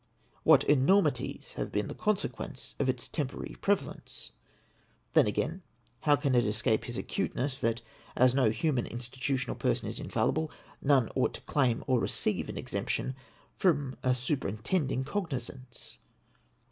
What enormities have l)een the consequence of its temporary prevalence ? Then, again, how can it escape his acuteness that, as no human institution or person is infallible, none ought to claim or receive an exemption from a superin tending cognisance